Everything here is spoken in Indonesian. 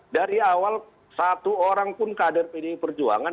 dari awal satu orang pun kader pdi perjuangan